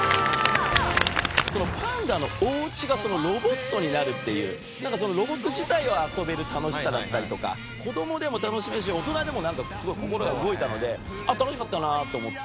パンダのお家がロボットになるというそのロボット自体を遊べる楽しさだったりとか子供でも楽しめるし大人でもなんかすごい心が動いたので楽しかったなと思って。